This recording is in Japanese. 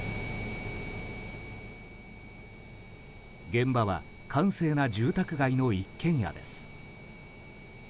現場は閑静な住宅街の一軒家です。